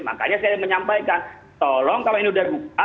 makanya saya menyampaikan tolong kalau ini sudah dibuka